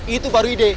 itu baru ide